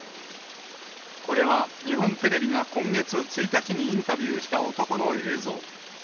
これは、日本テレビが今月１日にインタビューした男の映像。